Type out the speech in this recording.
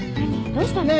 どうしたの？